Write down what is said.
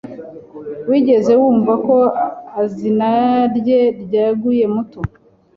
Wigeze wumva ko izinarye ryaguye moto